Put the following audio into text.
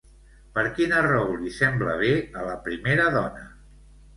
Per quina raó li sembla bé a la primera dona?